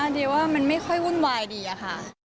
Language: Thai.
เดี๋ยวว่ามันไม่ค่อยวุ่นวายดีอะค่ะ